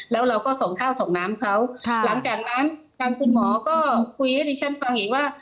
แล้วเราก็ส่งข้าวส่งน้ำเขาหลังจากนั้นทางคุณหมอก็คุยให้ดิฉันฟังอีกว่า